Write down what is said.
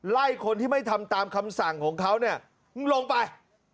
ไล่คนที่ไม่ทำตามคำสั่งของเขาเนี่ยมึงลงไป